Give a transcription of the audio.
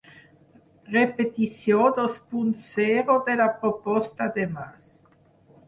Repetició dos punt zero de la proposta de Mas